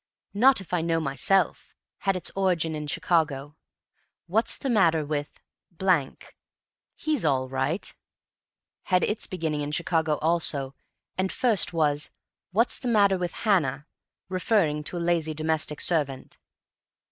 "Not if I know myself" had its origin in Chicago. "What's the matter with ? He's all right," had its beginning in Chicago also and first was "What's the matter with Hannah." referring to a lazy domestic servant.